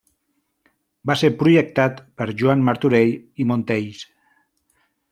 Va ser projectat per Joan Martorell i Montells.